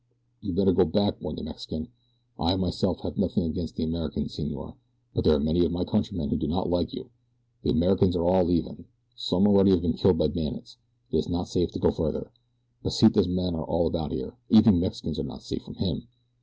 "You better go back," warned the Mexican. "I, myself, have nothing against the Americans, senor; but there are many of my countrymen who do not like you. The Americans are all leaving. Some already have been killed by bandits. It is not safe to go farther. Pesita's men are all about here. Even Mexicans are not safe from him.